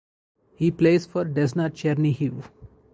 He plays for Desna Chernihiv.